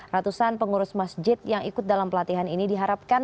ratusan pengurus masjid yang ikut dalam pelatihan ini diharapkan